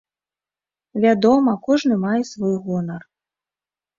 Вядома, кожны мае свой гонар.